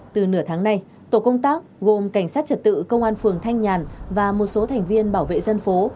từ nửa tháng nay tổ công tác gồm cảnh sát trật tự công an phường thanh nhàn và một số thành viên bảo vệ dân phố